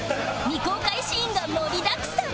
未公開シーンが盛りだくさん